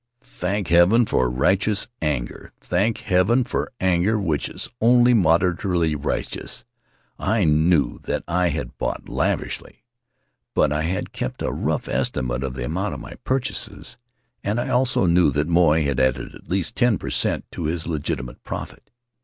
Thank Heaven for righteous anger! Thank Heaven for anger which is only moderately righteous. I knew that I had bought lavishly, but I had kept a rough estimate of the amount of my purchases, and I also knew that Moy had added at least 10 per cent to his legitimate profit.